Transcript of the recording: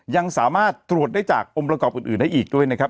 ยังสามารถตรวจได้จากองค์ประกอบอื่นได้อีกด้วยนะครับ